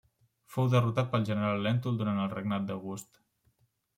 Fou derrotat pel general Lèntul durant el regnat d'August.